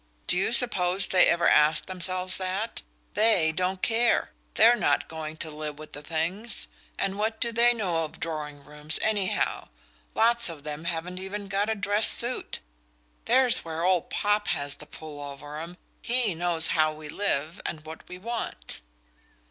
Do you suppose they ever ask themselves that? THEY don't care they're not going to live with the things! And what do they know of drawing rooms, anyhow? Lots of them haven't even got a dress suit. There's where old Popp has the pull over 'em HE knows how we live and what we want."